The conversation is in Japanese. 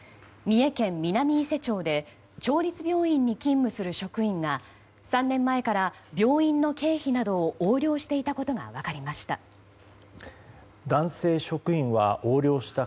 三重県南伊勢町で町立病院に勤務する職員が３年前から病院の経費などを横領していたことが分かりました。